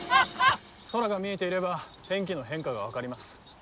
空が見えていれば天気の変化が分かります。